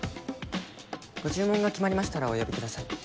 ご注文が決まりましたらお呼びください。